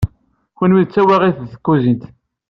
Kunwi d tawaɣit deg tkuzint.